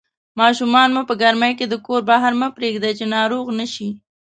ماشومان مو په ګرمۍ کې د کور بهر مه پرېږدئ چې ناروغ نشي